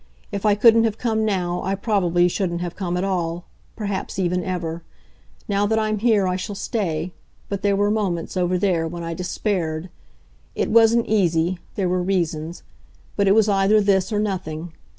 If I couldn't have come now I probably shouldn't have come at all perhaps even ever. Now that I'm here I shall stay, but there were moments, over there, when I despaired. It wasn't easy there were reasons; but it was either this or nothing.